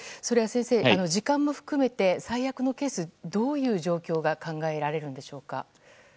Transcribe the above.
それは先生、時間も含めて最悪のケース、どういう状況が考えられるんでしょうか？